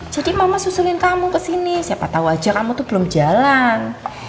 jadi mama susulin kamu ke sini siapa tau aja kamu tuh belum jalan